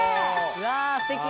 うわすてき！